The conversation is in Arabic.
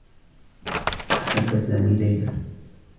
أحبّ سامي ليلى.